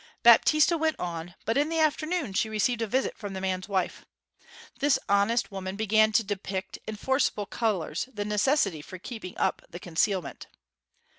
Baptista went on, but in the afternoon she received a visit from the man's wife. This honest woman began to depict, in forcible colours, the necessity for keeping up the concealment.